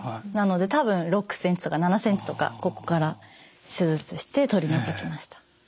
なので多分６センチとか７センチとかここから手術して取り除きました。